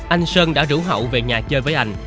anh sơn đã rủ hậu về nhà chơi với anh